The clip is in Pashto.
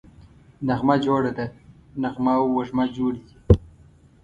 نغمه جوړه ده → نغمه او وږمه جوړې دي